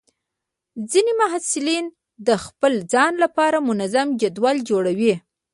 ځینې محصلین د خپل ځان لپاره منظم جدول جوړوي.